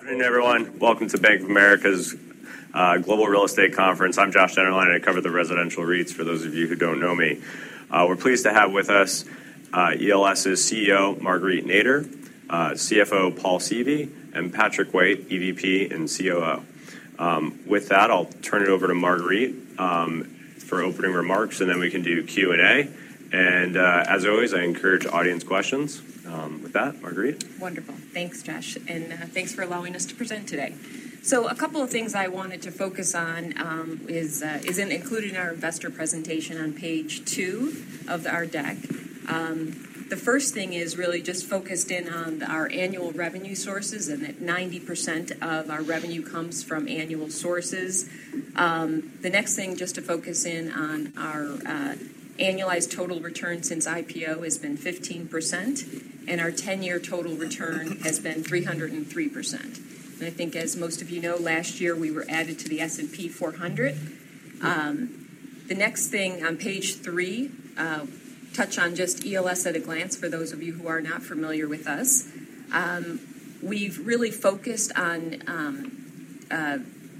Good afternoon, everyone. Welcome to Bank of America's Global Real Estate Conference. I'm Josh Dennerlein, and I cover the residential REITs, for those of you who don't know me. We're pleased to have with us ELS's CEO, Marguerite Nader, CFO, Paul Seavey, and Patrick Waite, EVP and COO. With that, I'll turn it over to Marguerite for opening remarks, and then we can do Q&A. And, as always, I encourage audience questions. With that, Marguerite. Wonderful. Thanks, Josh, and thanks for allowing us to present today, so a couple of things I wanted to focus on included in our investor presentation on page two of our deck. The first thing is really just focused in on our annual revenue sources, and that 90% of our revenue comes from annual sources. The next thing, just to focus in on our annualized total return since IPO has been 15%, and our ten-year total return has been 303%, and I think, as most of you know, last year we were added to the S&P 400. The next thing on page three touch on just ELS at a glance, for those of you who are not familiar with us. We've really focused on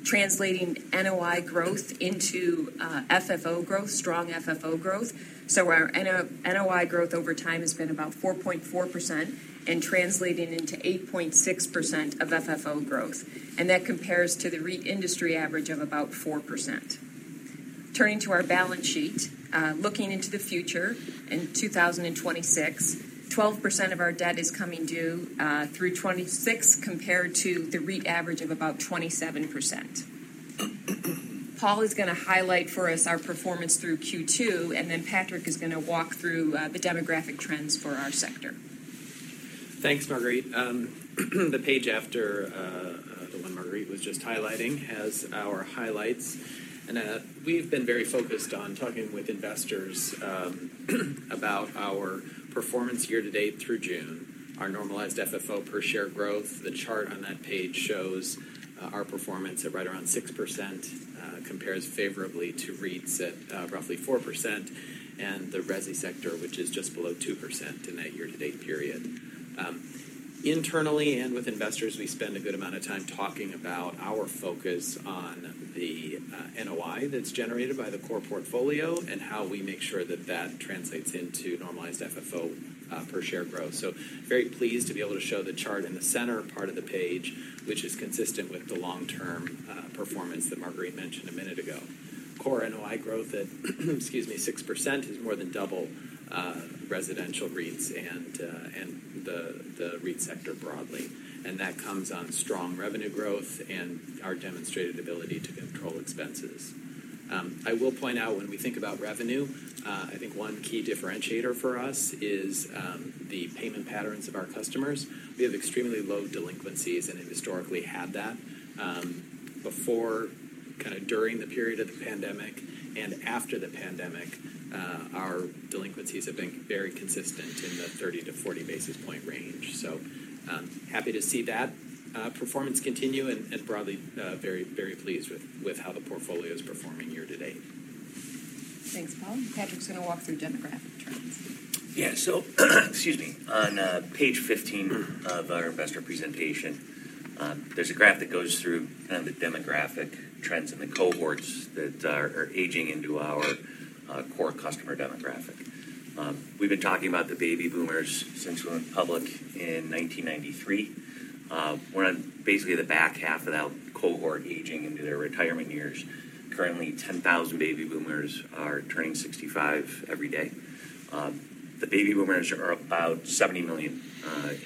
translating NOI growth into FFO growth, strong FFO growth. So our NOI growth over time has been about 4.4% and translating into 8.6% of FFO growth, and that compares to the REIT industry average of about 4%. Turning to our balance sheet, looking into the future, in 2026, 12% of our debt is coming due through 2026, compared to the REIT average of about 27%. Paul is gonna highlight for us our performance through Q2, and then Patrick is gonna walk through the demographic trends for our sector. Thanks, Marguerite. The page after the one Marguerite was just highlighting has our highlights. We've been very focused on talking with investors about our performance year-to-date through June. Our normalized FFO per share growth, the chart on that page shows our performance at right around 6%, compares favorably to REITs at roughly 4%, and the resi sector, which is just below 2% in that year-to-date period. Internally, and with investors, we spend a good amount of time talking about our focus on the NOI that's generated by the core portfolio and how we make sure that that translates into normalized FFO per share growth. Very pleased to be able to show the chart in the center part of the page, which is consistent with the long-term performance that Marguerite mentioned a minute ago. Core NOI growth at, excuse me, 6% is more than double residential REITs and the REIT sector broadly, and that comes on strong revenue growth and our demonstrated ability to control expenses. I will point out when we think about revenue, I think one key differentiator for us is the payment patterns of our customers. We have extremely low delinquencies and have historically had that. Before, kinda during the period of the pandemic and after the pandemic, our delinquencies have been very consistent in the 30-40 basis points range. So, I'm happy to see that performance continue and broadly very, very pleased with how the portfolio is performing year-to-date. Thanks, Paul. Patrick's gonna walk through demographic trends. Yeah. So, excuse me. On page 15 of our investor presentation, there's a graph that goes through kind of the demographic trends and the cohorts that are aging into our core customer demographic. We've been talking about the Baby Boomers since we went public in 1993. We're on basically the back half of that cohort aging into their retirement years. Currently, 10,000 Baby Boomers are turning 65 every day. The Baby Boomers are about 70 million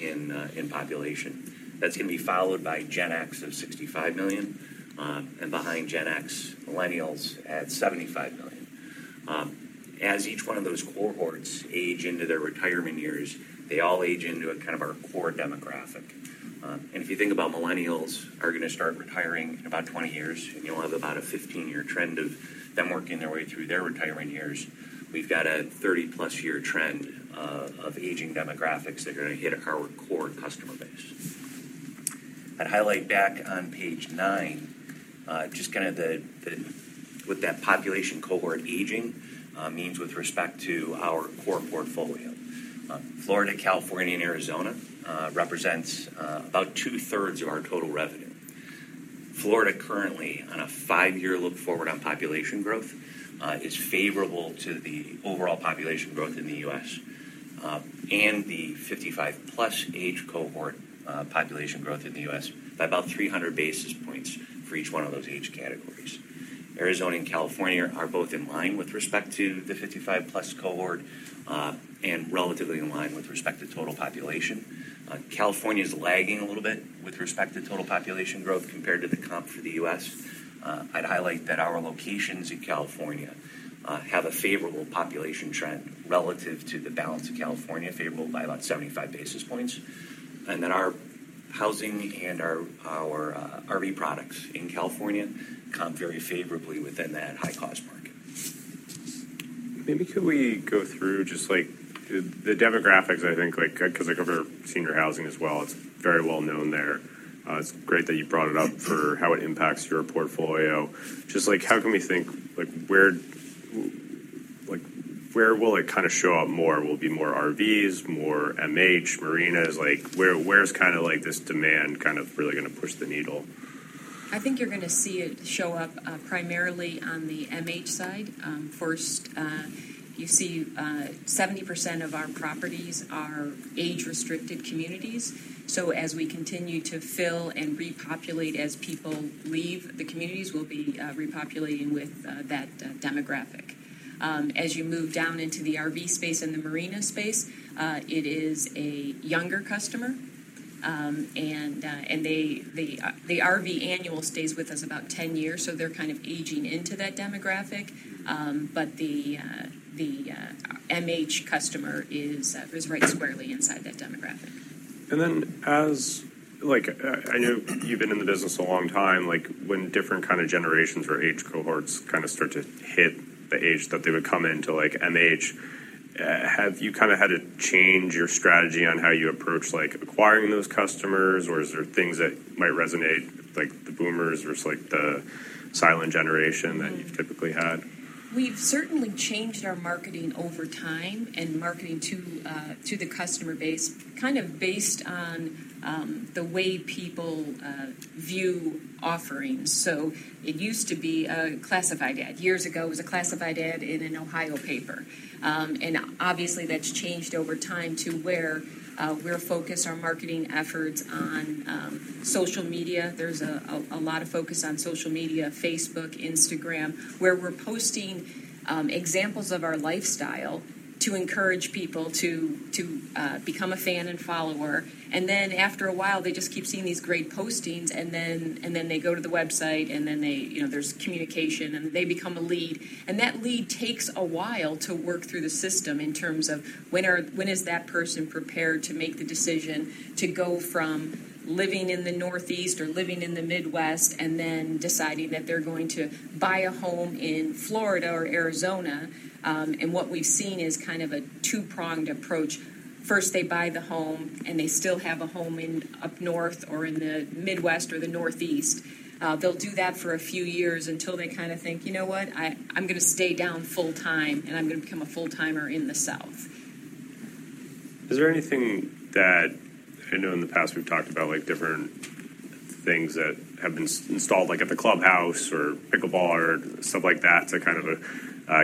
in population. That's gonna be followed by Gen X of 65 million, and behind Gen X, Millennials at 75 million. As each one of those cohorts age into their retirement years, they all age into a kind of our core demographic. And if you think about Millennials are gonna start retiring in about 20 years, and you'll have about a 15-year trend of them working their way through their retiring years. We've got a 30-plus-year trend of aging demographics that are gonna hit our core customer base. I'd highlight back on page nine, just kinda what that population cohort aging means with respect to our core portfolio. Florida, California, and Arizona represents about 2/3 of our total revenue. Florida, currently on a five-year look forward on population growth, is favorable to the overall population growth in the U.S., and the 55-plus age cohort population growth in the U.S. by about 300 basis points for each one of those age categories. Arizona and California are both in line with respect to the fifty-five plus cohort, and relatively in line with respect to total population. California's lagging a little bit with respect to total population growth compared to the comp for the U.S. I'd highlight that our locations in California have a favorable population trend relative to the balance of California, favorable by about seventy-five basis points. And then our housing and our RV products in California comp very favorably within that high-cost market. Maybe could we go through just, like, the demographics, I think, like, 'cause I cover senior housing as well. It's very well known there. It's great that you brought it up for how it impacts your portfolio. Just like, how can we think, like, where w-... Like, where will it kind of show up more? Will it be more RVs, more MH, marinas? Like, where, where's kind of like this demand kind of really gonna push the needle? I think you're gonna see it show up primarily on the MH side. First, you see, seventy percent of our properties are age-restricted communities. So as we continue to fill and repopulate, as people leave, the communities will be repopulating with that demographic. As you move down into the RV space and the marina space, it is a younger customer, and they... The RV annual stays with us about 10 years, so they're kind of aging into that demographic. Mm-hmm. But the MH customer is right squarely inside that demographic. And then like, I know you've been in the business a long time. Like, when different kind of generations or age cohorts kind of start to hit the age that they would come into, like MH, have you kind of had to change your strategy on how you approach, like, acquiring those customers? Or is there things that might resonate, like the Boomers versus like the Silent Generation- Mm-hmm. that you've typically had? We've certainly changed our marketing over time, and marketing to the customer base, kind of based on the way people view offerings. So it used to be a classified ad. Years ago, it was a classified ad in an Ohio paper. And obviously, that's changed over time to where we're focused our marketing efforts on social media. There's a lot of focus on social media, Facebook, Instagram, where we're posting examples of our lifestyle to encourage people to become a fan and follower. And then after a while, they just keep seeing these great postings, and then they go to the website, and then they, you know, there's communication, and they become a lead. That lead takes a while to work through the system in terms of when is that person prepared to make the decision to go from living in the Northeast or living in the Midwest, and then deciding that they're going to buy a home in Florida or Arizona. And what we've seen is kind of a two-pronged approach. First, they buy the home, and they still have a home in up north or in the Midwest or the Northeast. They'll do that for a few years until they kind of think, "You know what? I'm gonna stay down full time, and I'm gonna become a full-timer in the South. Is there anything that... I know in the past we've talked about, like, different things that have been installed, like at the clubhouse or pickleball or stuff like that, to kind of,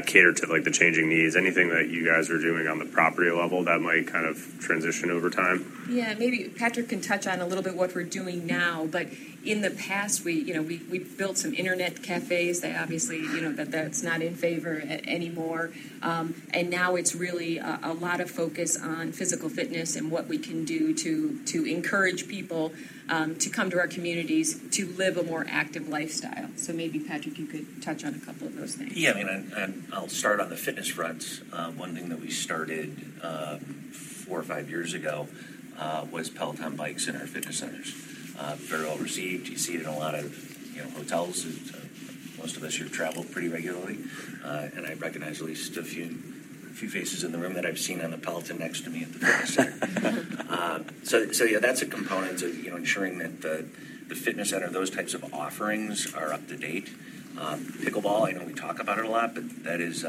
cater to, like, the changing needs. Anything that you guys are doing on the property level that might kind of transition over time? Yeah, maybe Patrick can touch on a little bit what we're doing now, but in the past, we, you know, we built some internet cafes that obviously, you know, that's not in favor anymore, and now it's really a lot of focus on physical fitness and what we can do to encourage people to come to our communities to live a more active lifestyle. So maybe, Patrick, you could touch on a couple of those things. Yeah, I mean, and I'll start on the fitness front. One thing that we started four or five years ago was Peloton bikes in our fitness centers. Very well received. You see it in a lot of, you know, hotels, and most of us here travel pretty regularly. And I recognize at least a few faces in the room that I've seen on the Peloton next to me at the fitness center. So yeah, that's a component of, you know, ensuring that the fitness center, those types of offerings are up to date. Pickleball, I know we talk about it a lot, but that is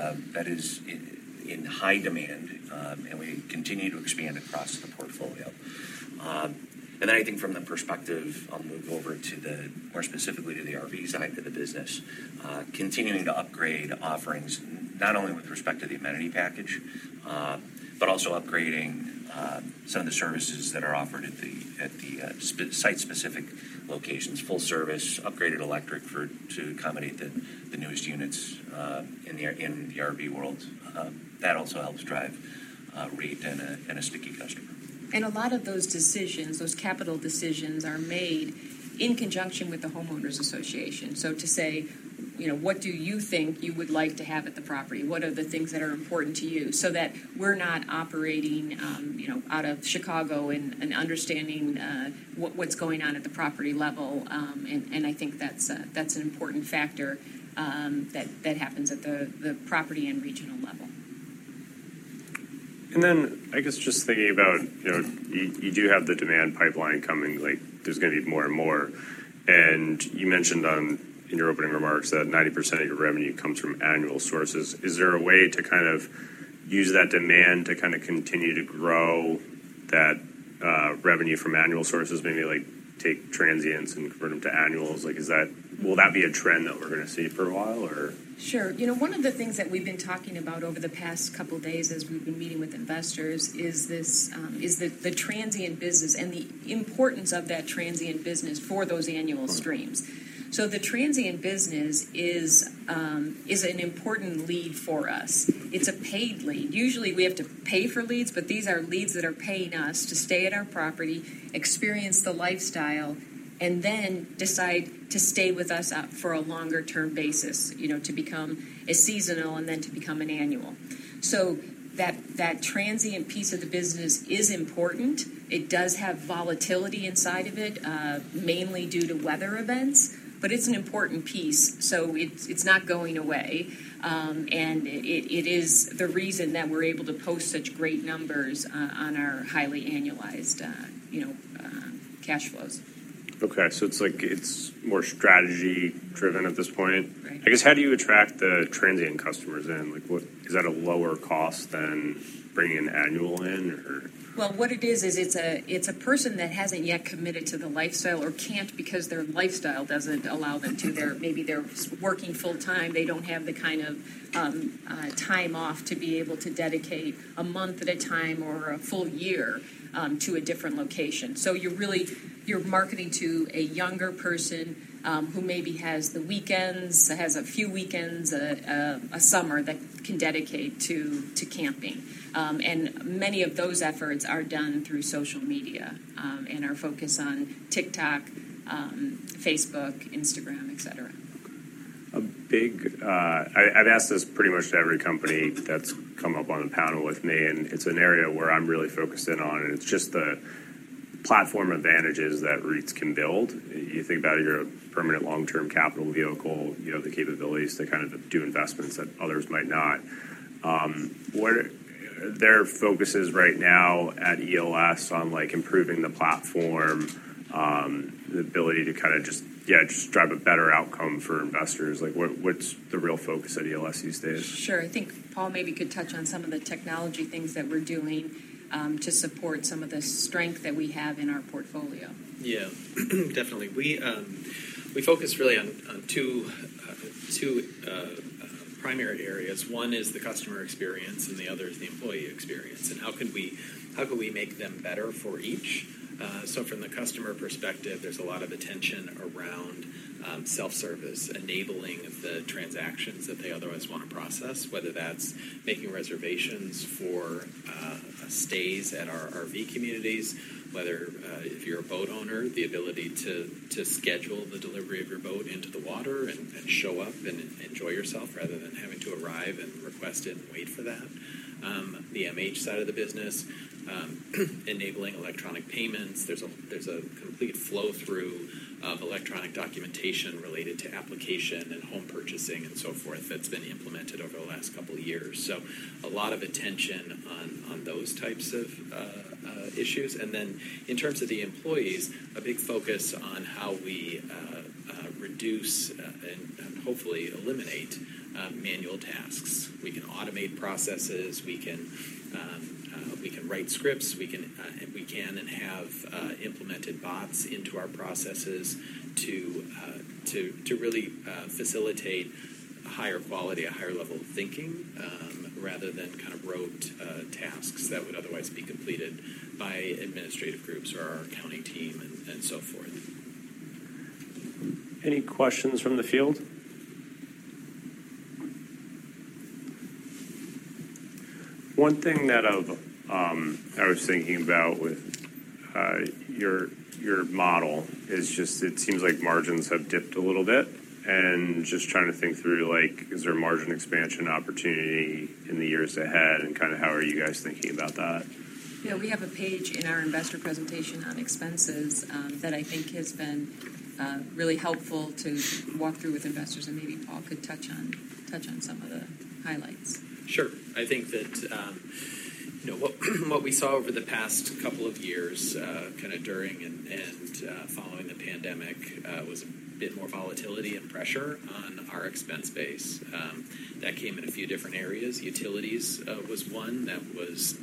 in high demand, and we continue to expand across the portfolio. And then I think from the perspective, I'll move over to the more specifically to the RV side of the business. Continuing to upgrade offerings, not only with respect to the amenity package, but also upgrading some of the services that are offered at the site-specific locations. Full-service upgraded electric to accommodate the newest units in the RV world. That also helps drive rate and a sticky customer. And a lot of those decisions, those capital decisions, are made in conjunction with the homeowners association. So to say, you know, "What do you think you would like to have at the property? What are the things that are important to you?" So that we're not operating, you know, out of Chicago and understanding what's going on at the property level. And I think that's an important factor that happens at the property and regional level. And then, I guess just thinking about, you know, you do have the demand pipeline coming, like there's gonna be more and more. You mentioned in your opening remarks that 90% of your revenue comes from annual sources. Is there a way to kind of use that demand to kind of continue to grow that revenue from annual sources? Maybe like take transients and convert them to annuals. Like, is that will that be a trend that we're gonna see for a while, or? Sure. You know, one of the things that we've been talking about over the past couple of days as we've been meeting with investors is this, the transient business and the importance of that transient business for those annual streams. Mm-hmm. So the transient business is an important lead for us. It's a paid lead. Usually, we have to pay for leads, but these are leads that are paying us to stay at our property, experience the lifestyle, and then decide to stay with us up for a longer-term basis, you know, to become a seasonal and then to become an annual. So that transient piece of the business is important. It does have volatility inside of it, mainly due to weather events, but it's an important piece, so it's not going away. And it is the reason that we're able to post such great numbers on our highly annualized, you know, cash flows. ... Okay, so it's like it's more strategy-driven at this point? Right. I guess, how do you attract the transient customers in? Like, is that a lower cost than bringing an annual in, or? Well, what it is, is it's a person that hasn't yet committed to the lifestyle or can't because their lifestyle doesn't allow them to. Maybe they're working full time. They don't have the kind of time off to be able to dedicate a month at a time or a full year to a different location, so you're really marketing to a younger person who maybe has the weekends, has a few weekends, a summer that can dedicate to camping. And many of those efforts are done through social media and are focused on TikTok, Facebook, Instagram, et cetera. Okay. A big, I've asked this pretty much to every company that's come up on the panel with me, and it's an area where I'm really focused in on, and it's just the platform advantages that REITs can build. You think about your permanent long-term capital vehicle, you have the capabilities to kind of do investments that others might not. What are their focuses right now at ELS on, like, improving the platform, the ability to kind of just, yeah, just drive a better outcome for investors? Like, what, what's the real focus at ELS these days? Sure. I think Paul maybe could touch on some of the technology things that we're doing, to support some of the strength that we have in our portfolio. Yeah. Definitely. We focus really on two primary areas. One is the customer experience, and the other is the employee experience, and how can we make them better for each? So from the customer perspective, there's a lot of attention around self-service, enabling the transactions that they otherwise want to process, whether that's making reservations for stays at our RV communities, whether if you're a boat owner, the ability to schedule the delivery of your boat into the water and show up and enjoy yourself, rather than having to arrive and request it and wait for that. The MH side of the business, enabling electronic payments, there's a complete flow-through of electronic documentation related to application and home purchasing and so forth that's been implemented over the last couple of years, so a lot of attention on those types of issues, and then, in terms of the employees, a big focus on how we reduce and hopefully eliminate manual tasks. We can automate processes, we can write scripts, we can and have implemented bots into our processes to really facilitate a higher quality, a higher level of thinking rather than kind of rote tasks that would otherwise be completed by administrative groups or our accounting team and so forth. Any questions from the field? One thing that I was thinking about with your model is just it seems like margins have dipped a little bit, and just trying to think through, like, is there a margin expansion opportunity in the years ahead, and kind of how are you guys thinking about that? Yeah, we have a page in our investor presentation on expenses, that I think has been really helpful to walk through with investors, and maybe Paul could touch on some of the highlights. Sure. I think that, you know, what we saw over the past couple of years, kinda during and following the pandemic, was a bit more volatility and pressure on our expense base. That came in a few different areas. Utilities was one that was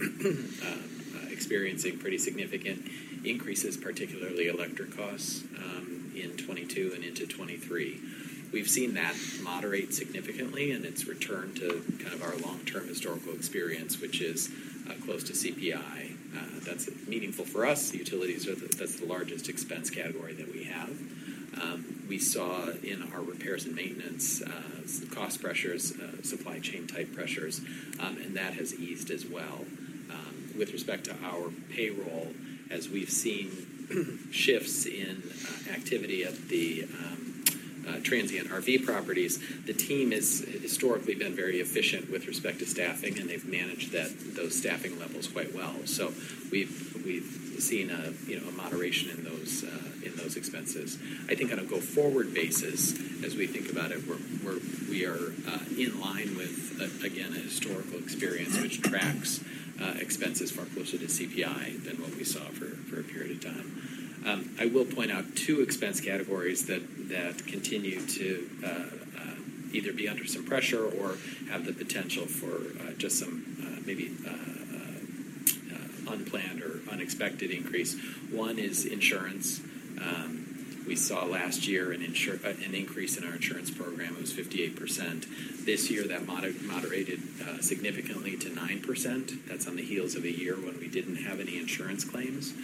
experiencing pretty significant increases, particularly electric costs, in 2022 and into 2023. We've seen that moderate significantly, and it's returned to kind of our long-term historical experience, which is close to CPI. That's meaningful for us. Utilities are - that's the largest expense category that we have. We saw in our repairs and maintenance some cost pressures, supply chain type pressures, and that has eased as well. With respect to our payroll, as we've seen, shifts in activity at the transient RV properties, the team has historically been very efficient with respect to staffing, and they've managed that, those staffing levels quite well. So we've seen a, you know, a moderation in those expenses. I think on a go-forward basis, as we think about it, we're in line with again, a historical experience which tracks expenses far closer to CPI than what we saw for a period of time. I will point out two expense categories that continue to either be under some pressure or have the potential for just some maybe unplanned or unexpected increase. One is insurance. We saw last year an increase in our insurance program. It was 58%. This year, that moderated significantly to 9%. That's on the heels of a year when we didn't have any insurance claims.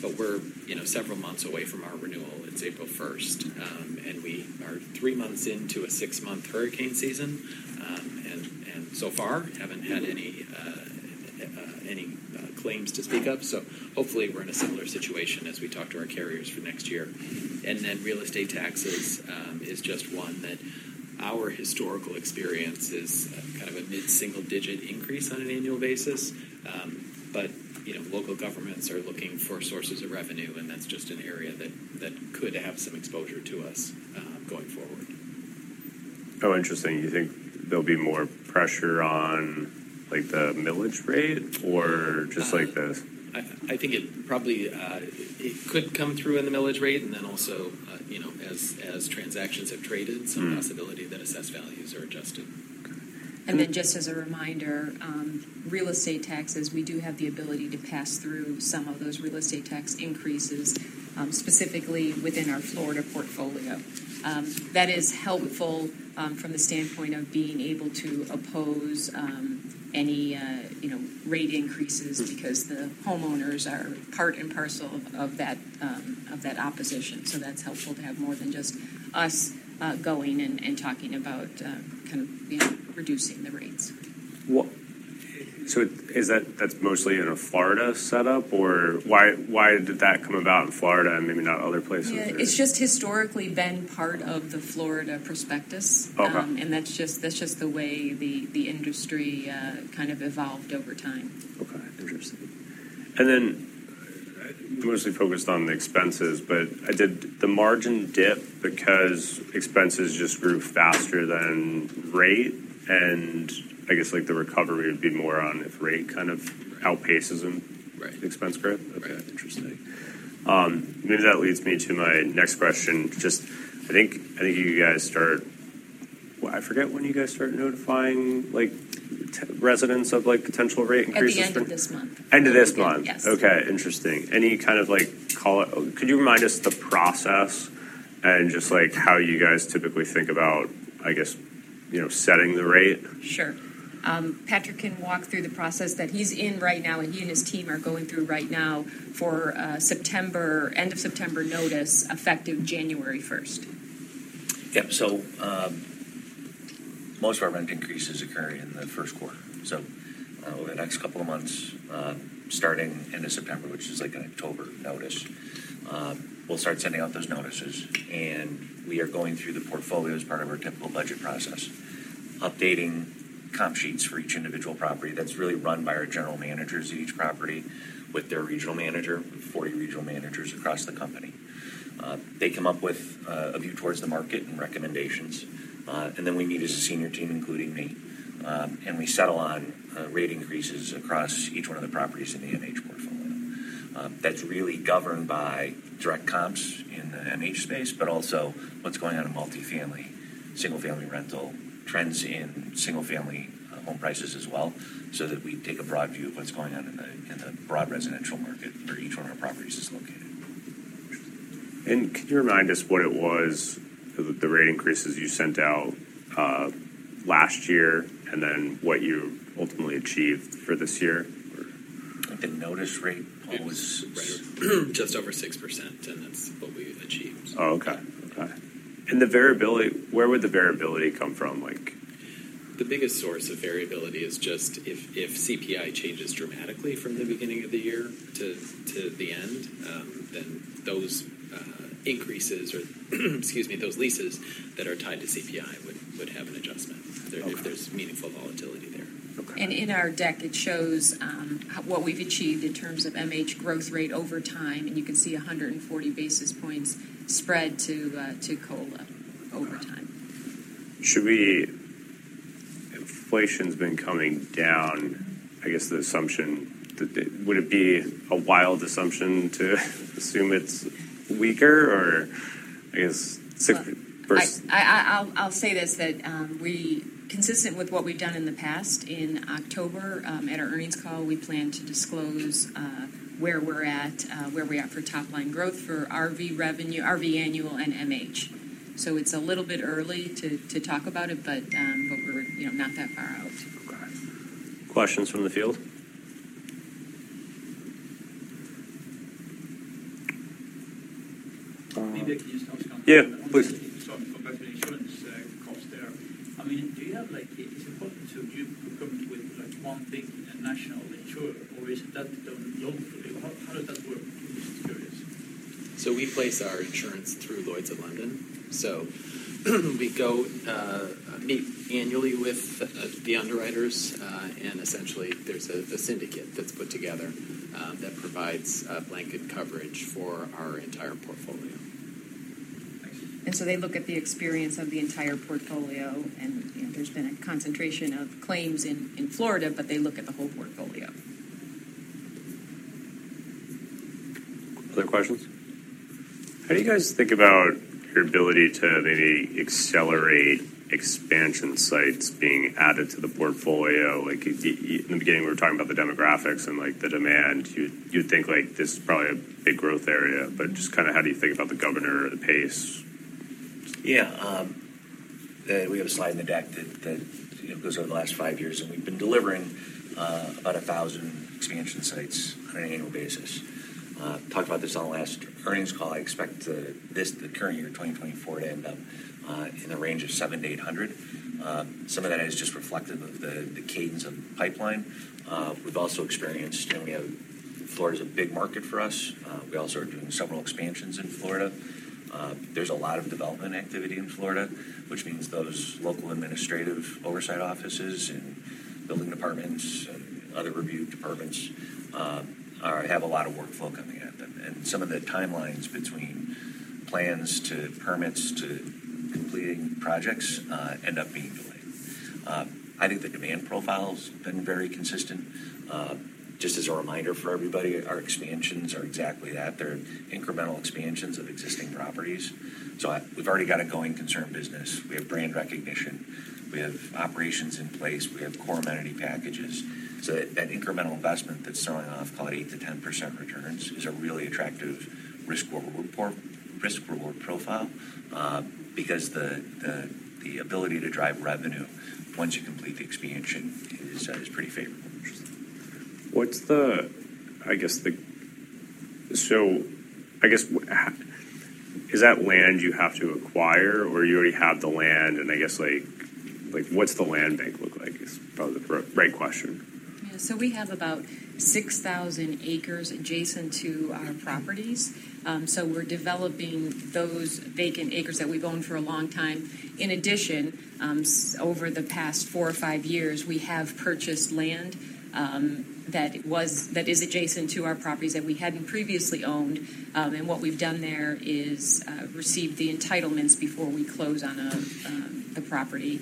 But we're, you know, several months away from our renewal. It's April first, and we are three months into a six-month hurricane season, and so far, haven't had any claims to speak of. Hopefully, we're in a similar situation as we talk to our carriers for next year. Then real estate taxes is just one that our historical experience is kind of a mid-single-digit increase on an annual basis. But, you know, local governments are looking for sources of revenue, and that's just an area that could have some exposure to us going forward.... Oh, interesting. You think there'll be more pressure on, like, the millage rate or just like the- I think it probably, it could come through in the millage rate, and then also, you know, as transactions have traded- Mm. Some possibility that assessed values are adjusted. Okay. And then just as a reminder, real estate taxes, we do have the ability to pass through some of those real estate tax increases, specifically within our Florida portfolio. That is helpful, from the standpoint of being able to oppose any, you know, rate increases- Mm -because the homeowners are part and parcel of that, of that opposition. So that's helpful to have more than just us, going and talking about, kind of, you know, reducing the rates. So is that, that's mostly in a Florida setup, or why, why did that come about in Florida and maybe not other places? Yeah, it's just historically been part of the Florida prospectus. Okay. And that's just the way the industry kind of evolved over time. Okay. Interesting. And then, mostly focused on the expenses, but did the margin dip because expenses just grew faster than rate? And I guess, like, the recovery would be more on if rate kind of outpaces them- Right. -expense growth? Right. Okay, interesting. Maybe that leads me to my next question. Just, I think you guys start... Well, I forget when you guys start notifying, like, the residents of, like, potential rate increases- At the end of this month. End of this month? Yes. Okay, interesting. Any kind of, like, call out. Could you remind us the process and just, like, how you guys typically think about, I guess, you know, setting the rate? Sure. Patrick can walk through the process that he's in right now, and he and his team are going through right now for September, end of September notice, effective January first. Yep. So, most of our rent increases occur in the first quarter. So, over the next couple of months, starting end of September, which is, like, an October notice, we'll start sending out those notices. And we are going through the portfolio as part of our typical budget process, updating comp sheets for each individual property. That's really run by our general managers at each property with their regional manager, 40 regional managers across the company. They come up with a view towards the market and recommendations, and then we meet as a senior team, including me, and we settle on rate increases across each one of the properties in the MH portfolio. That's really governed by direct comps in the MH space, but also what's going on in multifamily, single-family rental trends in single-family, home prices as well, so that we take a broad view of what's going on in the broad residential market where each one of our properties is located. Could you remind us what it was, the rate increases you sent out last year, and then what you ultimately achieved for this year? The notice rate was- It was just over 6%, and that's what we've achieved. Oh, okay. Okay. And the variability. Where would the variability come from? Like... The biggest source of variability is just if CPI changes dramatically from the beginning of the year to the end, then those increases or, excuse me, those leases that are tied to CPI would have an adjustment- Okay if there's meaningful volatility there. Okay. In our deck, it shows what we've achieved in terms of MH growth rate over time, and you can see a hundred and forty basis points spread to COLA over time. Inflation's been coming down. I guess the assumption... Would it be a wild assumption to assume it's weaker, or I guess, six versus- I'll say this. Consistent with what we've done in the past, in October, at our earnings call, we plan to disclose where we're at for top-line growth for RV revenue, RV annual, and MH. So it's a little bit early to talk about it, but we're, you know, not that far out. Okay. Questions from the field? Maybe I can just ask. Yeah, please. So go back to the insurance cost there. I mean, do you have like... It's important to you to come with, like, one big national insurer, or is that done locally? How, how does that work? Just curious. So we place our insurance through Lloyd's of London. So, we go meet annually with the underwriters, and essentially, there's a syndicate that's put together that provides a blanket coverage for our entire portfolio. Thank you. They look at the experience of the entire portfolio, and, you know, there's been a concentration of claims in Florida, but they look at the whole portfolio. Other questions? How do you guys think about your ability to maybe accelerate expansion sites being added to the portfolio? Like, in the beginning, we were talking about the demographics and, like, the demand. You'd think, like, this is probably a big growth area, but just kinda how do you think about the governor or the pace? Yeah, we have a slide in the deck that, you know, goes over the last five years, and we've been delivering about a thousand expansion sites on an annual basis. Talked about this on the last earnings call. I expect this, the current year, 2024, to end up in the range of 700-800. Some of that is just reflective of the cadence of the pipeline. We've also experienced. You know, we have Florida's a big market for us. We also are doing several expansions in Florida. There's a lot of development activity in Florida, which means those local administrative oversight offices and building departments and other review departments have a lot of workflow coming in. And some of the timelines between plans to permits to completing projects end up being delayed. I think the demand profile's been very consistent. Just as a reminder for everybody, our expansions are exactly that. They're incremental expansions of existing properties. So we've already got a going concern business. We have brand recognition, we have operations in place, we have core amenity packages. So that incremental investment that's selling off call it 8-10% returns, is a really attractive risk reward profile, because the ability to drive revenue once you complete the expansion is pretty favorable. Interesting. So I guess, is that land you have to acquire, or you already have the land, and I guess like, what's the land bank look like? Is probably the proper right question. Yeah, so we have about 6,000 acres adjacent to our properties. So we're developing those vacant acres that we've owned for a long time. In addition, over the past four or five years, we have purchased land that is adjacent to our properties that we hadn't previously owned. And what we've done there is received the entitlements before we close on the property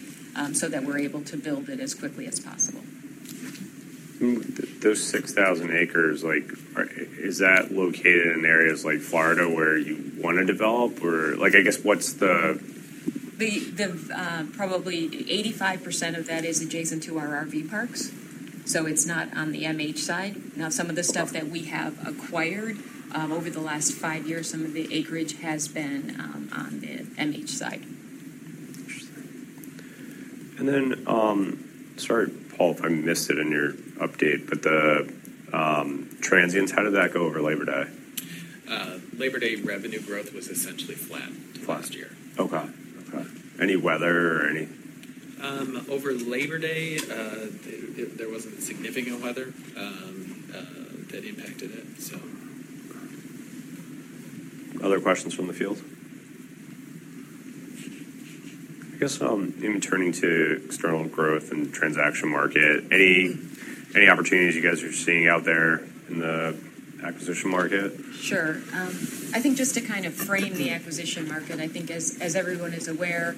so that we're able to build it as quickly as possible. Those 6,000 acres, like, is that located in areas like Florida where you wanna develop? Or like, I guess what's the- The probably 85% of that is adjacent to our RV parks, so it's not on the MH side. Okay. Now, some of the stuff that we have acquired over the last five years, some of the acreage has been on the MH side. Interesting. And then, sorry, Paul, if I missed it in your update, but the, transients, how did that go over Labor Day? Labor Day revenue growth was essentially flat- Flat -to last year. Okay. Okay. Any weather or any...? Over Labor Day, there wasn't significant weather that impacted it, so. Okay. Other questions from the field? I guess, in turning to external growth and transaction market, any opportunities you guys are seeing out there in the acquisition market? Sure. I think just to kind of frame the acquisition market, I think as everyone is aware,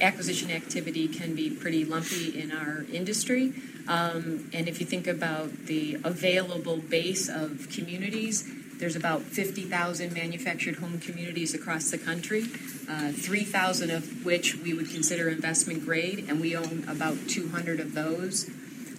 acquisition activity can be pretty lumpy in our industry. And if you think about the available base of communities, there's about 50,000 manufactured home communities across the country, 3,000 of which we would consider investment grade, and we own about 200 of those.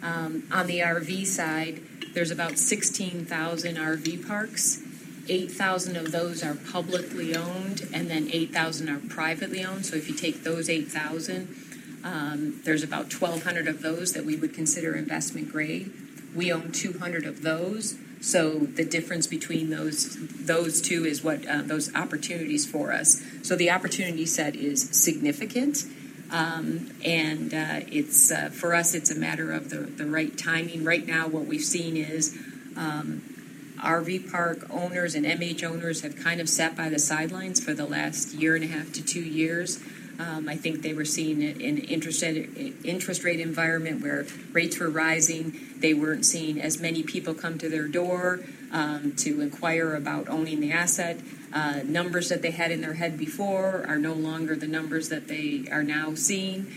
On the RV side, there's about 16,000 RV parks. 8,000 of those are publicly owned, and then 8,000 are privately owned. So if you take those 8,000, there's about 1,200 of those that we would consider investment grade. We own 200 of those, so the difference between those two is what those opportunities for us. So the opportunity set is significant, and it's for us, it's a matter of the right timing. Right now, what we've seen is, RV park owners and MH owners have kind of sat by the sidelines for the last year and a half to two years. I think they were seeing it in interest rate environment where rates were rising. They weren't seeing as many people come to their door, to inquire about owning the asset. Numbers that they had in their head before are no longer the numbers that they are now seeing.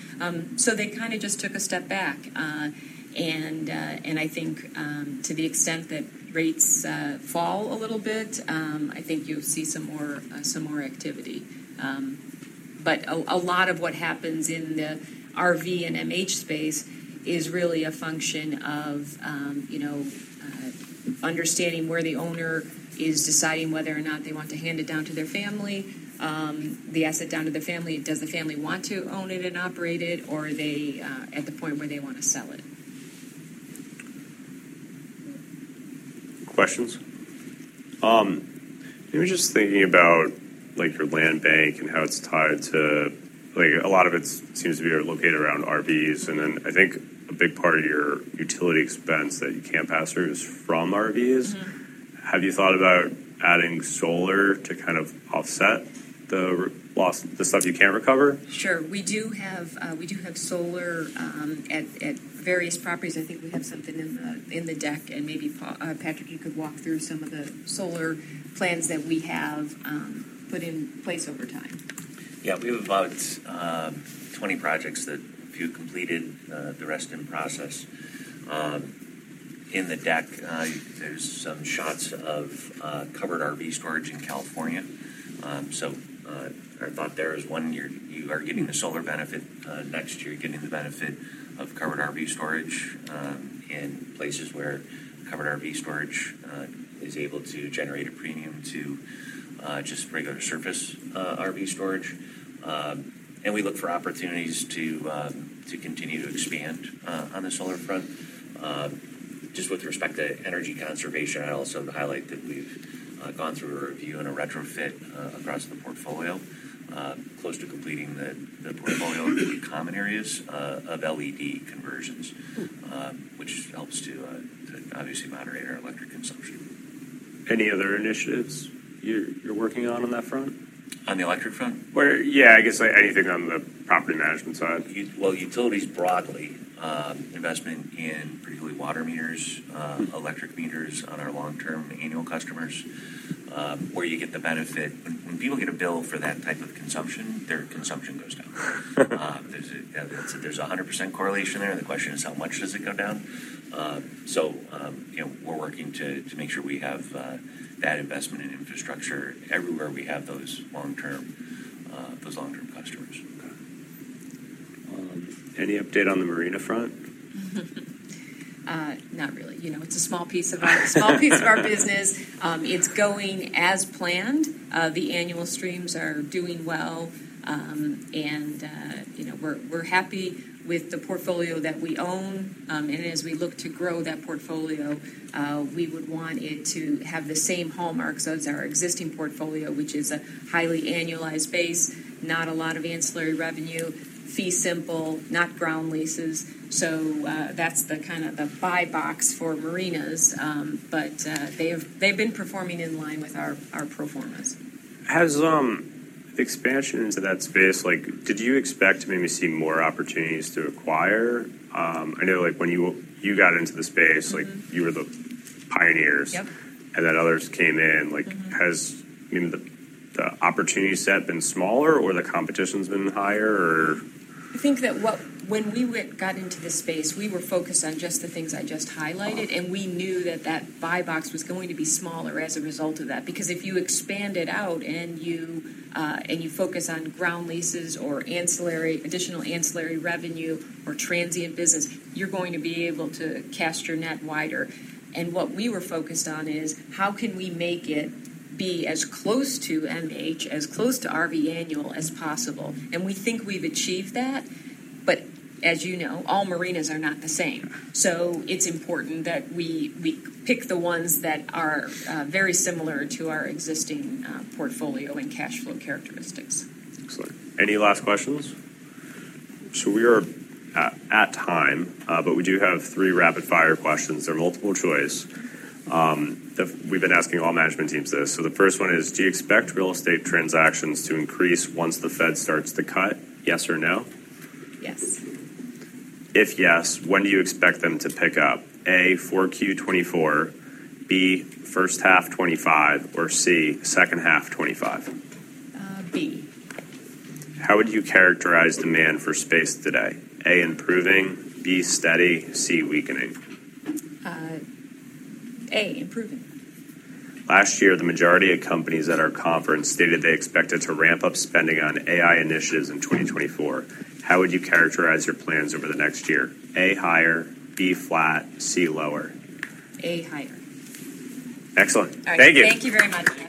So they kinda just took a step back. And I think, to the extent that rates fall a little bit, I think you'll see some more activity. But a lot of what happens in the RV and MH space is really a function of, you know, understanding where the owner is deciding whether or not they want to hand it down to their family, the asset down to the family. Does the family want to own it and operate it, or are they at the point where they wanna sell it? Questions? Maybe just thinking about, like, your land bank and how it's tied to... Like, a lot of it seems to be located around RVs, and then I think a big part of your utility expense that you can't pass through is from RVs. Mm-hmm. Have you thought about adding solar to kind of offset the real loss, the stuff you can't recover? Sure. We do have solar at various properties. I think we have something in the deck, and maybe Patrick, you could walk through some of the solar plans that we have put in place over time. Yeah. We have about 20 projects that a few completed, the rest in process. In the deck, there's some shots of covered RV storage in California. So, I thought there was one you're, you are getting the solar benefit next year, you're getting the benefit of covered RV storage in places where covered RV storage is able to generate a premium to just regular surface RV storage. And we look for opportunities to continue to expand on the solar front. Just with respect to energy conservation, I'd also highlight that we've gone through a review and a retrofit across the portfolio, close to completing the portfolio in the common areas of LED conversions. Mm-hmm. which helps to obviously moderate our electric consumption.... Any other initiatives you're working on that front? On the electric front? Well, yeah, I guess, like, anything on the property management side. Well, utilities broadly, investment in particularly water meters, electric meters on our long-term annual customers, where you get the benefit. When people get a bill for that type of consumption, their consumption goes down. There's a 100% correlation there. The question is: How much does it go down? So, you know, we're working to make sure we have that investment in infrastructure everywhere we have those long-term customers. Okay. Any update on the marina front? Not really. You know, it's a small piece of our business. It's going as planned. The annual streams are doing well. You know, we're happy with the portfolio that we own. And as we look to grow that portfolio, we would want it to have the same hallmarks as our existing portfolio, which is a highly annualized base, not a lot of ancillary revenue, fee simple, not ground leases. So that's the kind of buy box for marinas. But they've been performing in line with our pro formas. Has expansion into that space. Like, did you expect to maybe see more opportunities to acquire? I know, like, when you got into the space- Mm-hmm. Like, you were the pioneers. Yep. And then others came in, like- Mm-hmm. Has, you know, the opportunity set been smaller, or the competition's been higher, or? I think that when we got into this space, we were focused on just the things I just highlighted. Okay. We knew that that buy box was going to be smaller as a result of that. Because if you expand it out and you and you focus on ground leases or ancillary, additional ancillary revenue or transient business, you're going to be able to cast your net wider. What we were focused on is: How can we make it be as close to MH, as close to RV annual as possible? We think we've achieved that. As you know, all marinas are not the same. Right. So it's important that we pick the ones that are very similar to our existing portfolio and cash flow characteristics. Excellent. Any last questions? So we are at time, but we do have three rapid-fire questions. They're multiple choice. We've been asking all management teams this. So the first one is: Do you expect real estate transactions to increase once the Fed starts to cut? Yes or no? Yes. If yes, when do you expect them to pick up? A, 4Q 2024, B, first half 2025, or C, second half 2025. Uh, B. How would you characterize demand for space today? A, improving, B, steady, C, weakening. Improving. Last year, the majority of companies at our conference stated they expected to ramp up spending on AI initiatives in 2024. How would you characterize your plans over the next year? A, higher, B, flat, C, lower. A, higher. Excellent. Thank you. All right. Thank you very much, Andrew.